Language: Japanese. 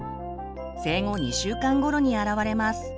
生後２週間ごろにあらわれます。